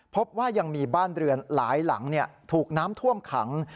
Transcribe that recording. พบว่ายังมีบ้านเรือนหลายหลังถูกน้ำท่วมขัง